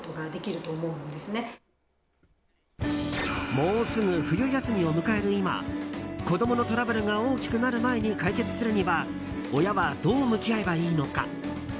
もうすぐ冬休みを迎える今子供のトラブルが大きくなる前に解決するには親はどう向き合えばいいのか。